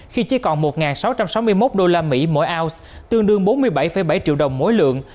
khi chỉ còn một sáu trăm sáu mươi một usd mỗi ounce tương đương bốn mươi bảy bảy triệu đồng mỗi lượng